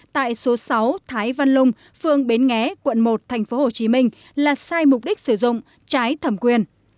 tại số sáu thái văn lung phương bến nghé quận một tp hcm là sai mục đích sử dụng trái thẩm quyền